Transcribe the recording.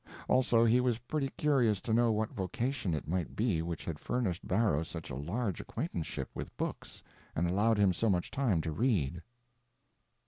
Also he was pretty curious to know what vocation it might be which had furnished Barrow such a large acquaintanceship with books and allowed him so much time to read.